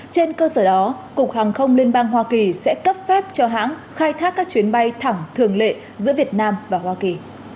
trên cơ sở đó cục hàng không liên bang hoa kỳ sẽ cấp phép cho hãng khai thác các chuyến bay thẳng thường lệ giữa việt nam và hoa kỳ